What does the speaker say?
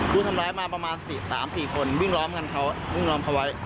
ผู้ทำร้ายมาประมาณ๓๔คนวิ่งล้อมกันเขาวิ่งล้อมเขาไว้